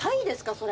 それ。